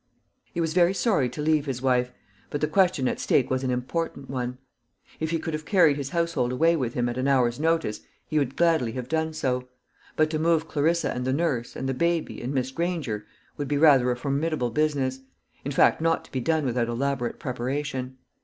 He was very sorry to leave his wife; but the question at stake was an important one. If he could have carried his household away with him at an hour's notice, he would gladly have done so; but to move Clarissa and the nurse, and the baby, and Miss Granger, would be rather a formidable business in fact, not to be done without elaborate preparation.